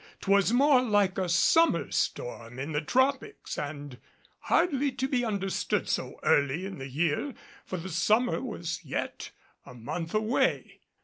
'Twas more like a summer storm in the tropics, and hardly to be understood so early in the year, for the summer was yet a month away.